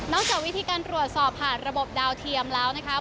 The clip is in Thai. จากวิธีการตรวจสอบผ่านระบบดาวเทียมแล้วนะคะ